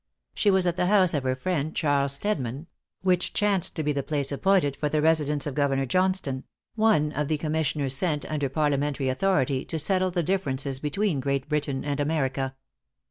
She was at the house of her friend Charles Stedman, which chanced to be the place appointed for the residence of Governor Johnstone, one of the commissioners sent under parliamentary authority to settle the differences between Great Britain and America.